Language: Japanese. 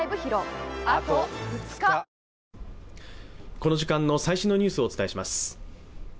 この時間の最新のニュースをお伝えします。